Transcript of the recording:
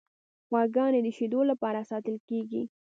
غواګانې د شیدو لپاره ساتل کیږي.